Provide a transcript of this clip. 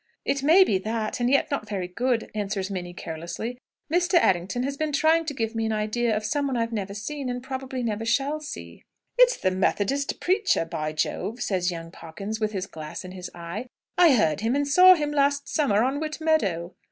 "It may be that, and yet not very good," answers Minnie carelessly. "Mr. Errington has been trying to give me an idea of some one I've never seen, and probably never shall see." "It's the Methodist preacher, by Jove!" says young Pawkins with his glass in his eye. "I heard him and saw him last summer on Whit Meadow."